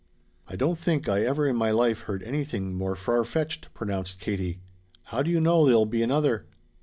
"I don't think I ever in my life heard anything more farfetched," pronounced Katie. "How do you know there'll be another?"